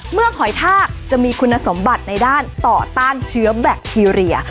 หอยทากจะมีคุณสมบัติในด้านต่อต้านเชื้อแบคทีเรีย